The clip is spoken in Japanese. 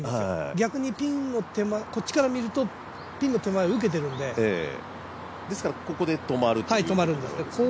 逆にピンの手前、こっちから見るとピンの手前を受けているので、ですからここで止まるんですね。